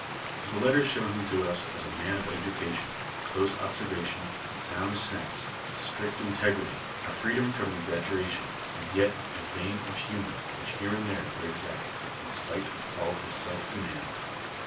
His letters show him to us a man of education, close observation, sound sense, strict integrity, a freedom from exaggeration, and yet a vein of humor which here and there breaks out, in spite of all his self command.